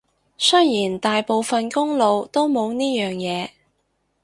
雖然大部分公路都冇呢樣嘢